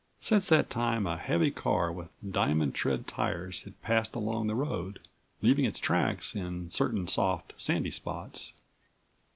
Since that time a heavy car with diamond tread tires had passed along the road, leaving its tracks in certain soft, sandy spots.